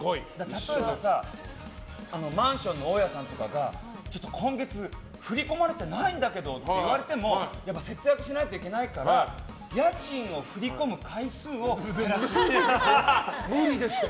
例えばマンションの大家さんとかが今月、振り込まれてないんだけどって言われても節約しないといけないから無理ですって。